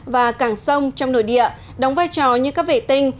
và cảng sông trong nội địa đóng vai trò như các vệ tinh